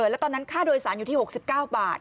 แล้วตอนนั้นค่าโดยสารอยู่ที่๖๙บาท